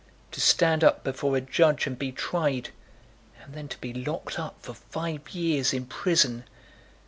To stand up before a judge and be tried, and then to be locked up for five years in prison